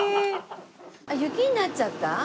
「雪になっちゃった？